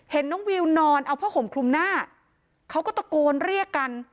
น้องวิวนอนเอาผ้าห่มคลุมหน้าเขาก็ตะโกนเรียกกัน